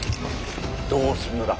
どうするのだ。